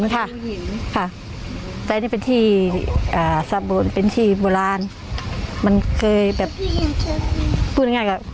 ค่ะแต่นี่เป็นที่อ่าสะบดเป็นที่โบราณมันเคยแบบพูดง่ายง่ายแหละ